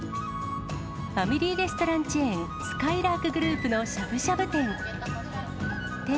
ファミリーレストランチェーン、すかいらーくグループのしゃぶしゃぶ店。